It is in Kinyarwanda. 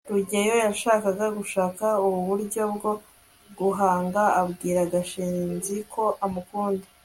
rugeyo yashakaga gushaka uburyo bwo guhanga abwira gashinzi ko amukunda